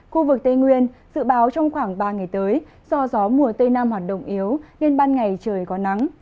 khu vực tây nguyên dự báo trong khoảng ba ngày tới do gió mùa tây nam hoạt động yếu nên ban ngày trời có nắng